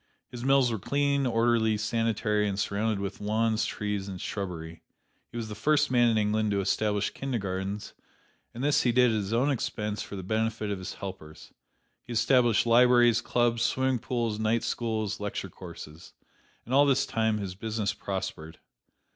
His mills were cleanly, orderly, sanitary, and surrounded with lawns, trees and shrubbery. He was the first man in England to establish kindergartens, and this he did at his own expense for the benefit of his helpers. He established libraries, clubs, swimming pools, night schools, lecture courses. And all this time his business prospered.